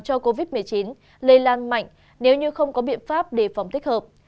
cho covid một mươi chín lây lan mạnh nếu như không có biện pháp đề phòng thích hợp